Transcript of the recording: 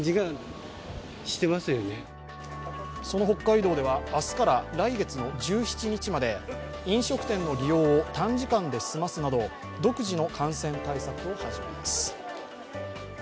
北海道では明日から来月の１７日まで飲食店の利用を短時間で済ますなど、独自の感染対策を始めます。